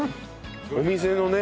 お店のね